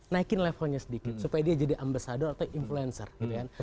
naikin levelnya sedikit supaya dia jadi ambasador atau influencer gitu kan